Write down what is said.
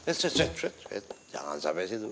sst sst sst jangan sampai situ